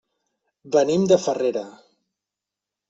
Venim de Farrera.